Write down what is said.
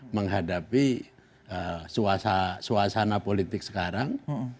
menghadapi suasana politik sekarang